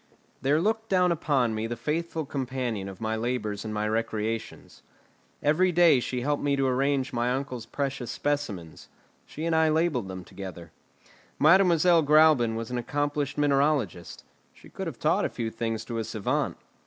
There looked down upon me the faithful companion of my labours and my recreations. Every day she helped me to arrange my uncle's precious specimens; she and I labelled them together. Mademoiselle Gräuben was an accomplished mineralogist; she could have taught a few things to a savant.